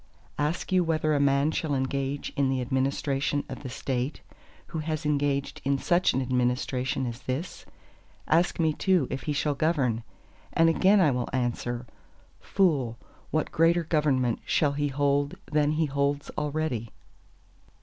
Ask you whether a man shall engage in the administration of the State who has engaged in such an Administration as this? Ask me too if he shall govern; and again I will answer, Fool, what greater government shall he hold than he holds already?